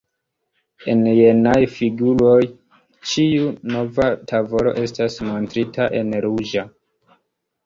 En jenaj figuroj, ĉiu nova tavolo estas montrita en ruĝa.